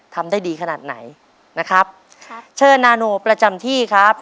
ทำได้ดีขนาดไหนนะครับค่ะเชิญนาโนประจำที่ครับ